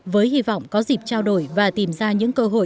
với hy vọng có dịp trao đổi và tìm ra những cơ hội